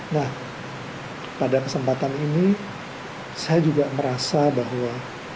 nah pada kesempatan ini saya juga merasa bahwa